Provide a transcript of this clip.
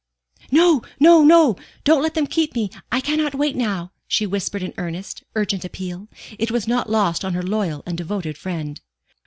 "No, no, no don't let them keep me I cannot wait now," she whispered in earnest, urgent appeal. It was not lost on her loyal and devoted friend.